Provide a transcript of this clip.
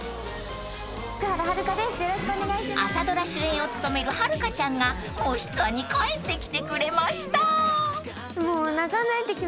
［朝ドラ主演を務める遥ちゃんが『もしツア』に帰ってきてくれました］